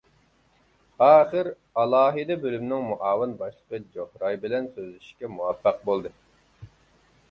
ئاخىر ئالاھىدە بۆلۈمنىڭ مۇئاۋىن باشلىقى جوھراي بىلەن سۆزلىشىشكە مۇۋەپپەق بولدى.